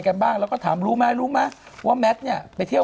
จบแล้วหนูอ่านแค่นั้นแต่พอแล้ว